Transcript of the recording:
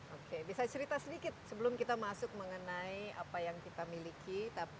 oke bisa cerita sedikit sebelum kita masuk mengenai apa yang kita miliki